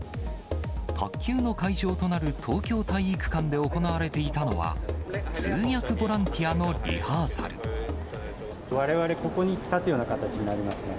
卓球の会場となる東京体育館で行われていたのは、われわれ、ここに立つような形になりますね。